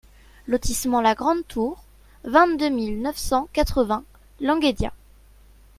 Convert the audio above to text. Lotissement La Grande Tour, vingt-deux mille neuf cent quatre-vingts Languédias